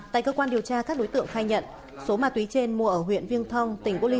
tại cơ quan điều tra các đối tượng khai nhận số ma túy trên mua ở huyện viêng thong tỉnh bô ly